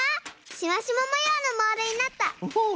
シマシマもようのモールになった！